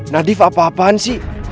nadif apa apaan sih